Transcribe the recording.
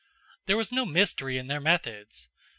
There was no mystery in their methods.